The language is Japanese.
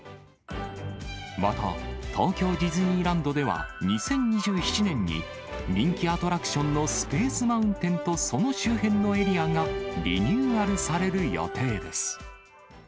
また、東京ディズニーランドでは、２０２７年に、人気アトラクションのスペース・マウンテンとその周辺のエリアがリニューアルされる予定です。